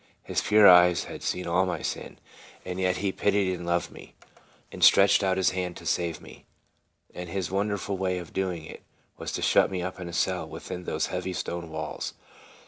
His pure eyes had seen all my sin, and yet he pitied and loved me, and stretched 14 TRANSFORMED. out his hand to save me. And his wonderful way of doing it was to shut me up in a cell within those heavy stone walls.